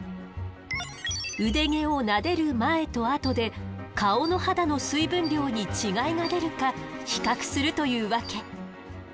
腕毛をなでる前とあとで顔の肌の水分量に違いが出るか比較するというわけ。